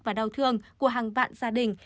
và đau thương của hàng vạn gia đình